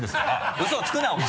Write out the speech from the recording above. ウソをつくなお前。